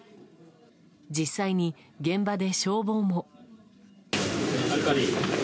実際に現場で消防も。